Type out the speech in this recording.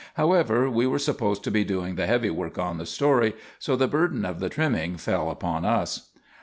However, we were supposed to be doing the "heavy" work on the story, so the burden of the "trimming" fell upon us.